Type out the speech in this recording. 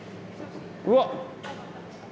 うわっ！